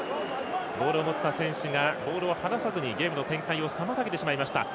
ボールを持った選手がボールを離さずにゲームの展開を妨げてしまいました。